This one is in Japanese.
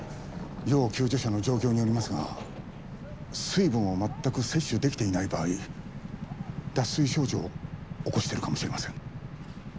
要救助者の状況によりますが水分を全く摂取できていない場合脱水症状を起こしているかもしれません。